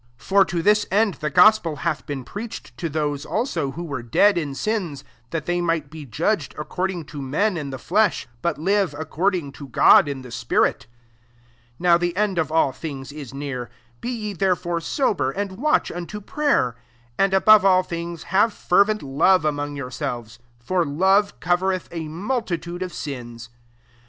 6 For to this end the gospel hath been preached to those also who were dead m «iM,f; that they might be judged ac cording to men in the flesh, but live according to God in the spirit. 7 NOW the end of all tBings is near : be ye therefore sob^, and watch unto prayer. 8 And above all things have ferveot love among yourselves : for Iotc covereth a multitude of sins.